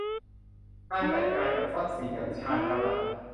การจัดการกับทรัพย์สินอย่างชาญฉลาด